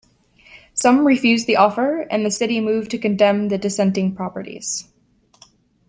Some refused the offer, and the city moved to condemn the dissenting properties.